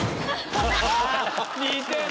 似てる！